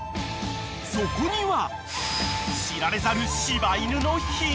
［そこには］